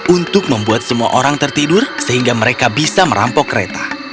untuk membuat semua orang tertidur sehingga mereka bisa merampok kereta